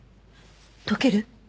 解ける？